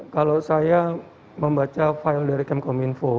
kalau saya membaca file dari kemkominfo